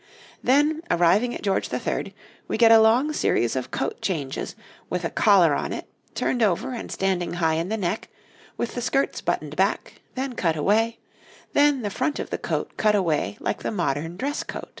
Then, arriving at George III., we get a long series of coat changes, with a collar on it, turned over and standing high in the neck, with the skirts buttoned back, then cut away; then the front of the coat cut away like the modern dress coat.